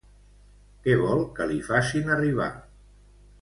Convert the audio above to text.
Què vol que li facin arribar?